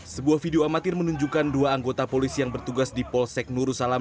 sebuah video amatir menunjukkan dua anggota polisi yang bertugas di polsek nurusalam